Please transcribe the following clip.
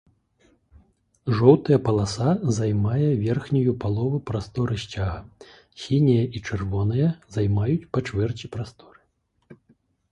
Жоўтая паласа займае верхнюю палову прасторы сцяга, сіняя і чырвоная займаюць па чвэрці прасторы.